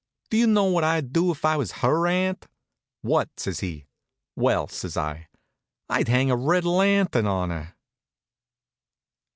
Do you know what I'd do if I was her aunt?" "What?" says he. "Well," says I, "I'd hang a red lantern on her."